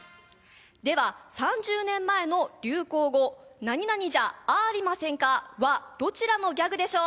３０年前の流行語「じゃ、ありませんか」はどちらのギャグでしょう？